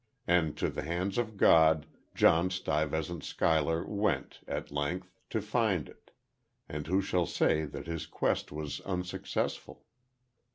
And to the hands of God, John Stuyvesant Schuyler went, at length, to find it; and who shall say that his quest was unsuccessful?